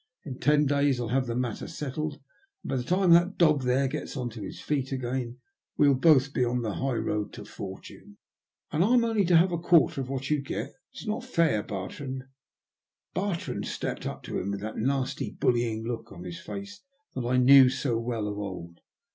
In ten days I'll have the matter settled, and by the time that dog there gets on to his feet again we'll both be on the high road to fortune." '' And I'm only to have a quarter of what you get ? It's not fair, Bartrand." Bartrand stepped up to him with that nasty, bullying look on his face that I knew so well of old.